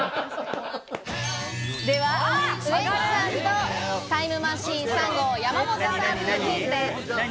では、ウエンツさんとタイムマシーン３号・山本さんにクイズです。